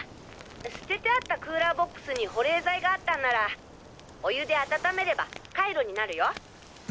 捨ててあったクーラーボックスに保冷剤があったんならお湯で温めればカイロになるよ！